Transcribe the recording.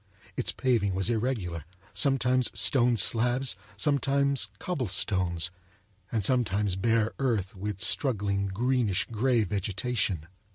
Its paving was irregular, sometimes stone slabs, sometimes cobblestones, and sometimes bare earth with struggling greenish grey vegetation.